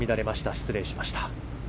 失礼しました。